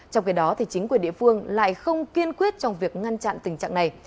trong khi đó chính quyền địa phương lại không kiên quyết trong việc ngăn chặn tình trạng này